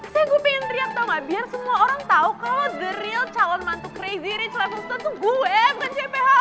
saya gue pengen teriak tau gak biar semua orang tau kalo the real calon mantuk crazy rich lefongston tuh gue bukan cepho